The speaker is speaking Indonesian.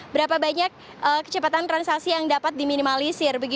berapa banyak kecepatan transaksi yang dapat diminimalisir